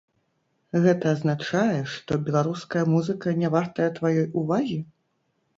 Гэта азначае, што беларуская музыка нявартая тваёй увагі?